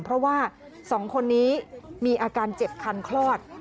เพราะว่า๒คนนี้มีอาการเจ็บคันคลอด